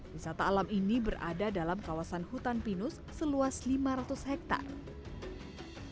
wisata alam ini berada dalam kawasan hutan pinus seluas lima ratus hektare